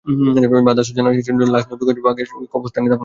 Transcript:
বাদ আসর জানাজা শেষে লাশ নবীগঞ্জ বাগে জান্নাত কবরস্থানে দাফন করা হয়।